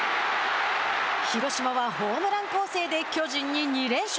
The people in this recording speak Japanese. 広島はホームラン攻勢で巨人に２連勝。